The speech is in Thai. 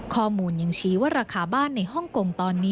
ข้อมูลยังชี้ว่าราคาบ้านในฮ่องกงตอนนี้